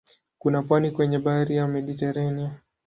Kuna pwani kwenye bahari ya Mediteranea.